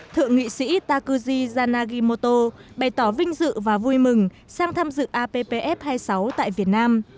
thượng nghị sĩ takuji zhanagimoto bày tỏ vinh dự và vui mừng sang tham dự appf hai mươi sáu tại việt nam